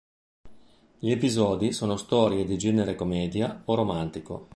Gli episodi sono storie di genere commedia o romantico.